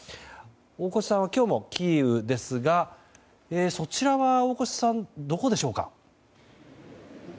大越さんは今日もキーウですがそちらはどこでしょうか。